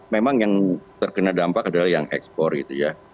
memang yang terkena dampak adalah yang ekspor gitu ya